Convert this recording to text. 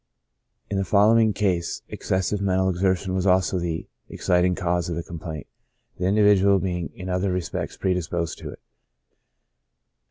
• In the following case excessive mental exertion was also the exciting cause of the complaint, the individual being in other respects predisposed to it.